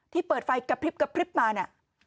เปิดไฟกระพริบกระพริบมาเนี่ย